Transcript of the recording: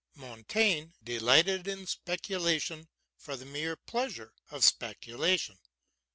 Montaigne delighted in speculation for the mere pleasure of speculation.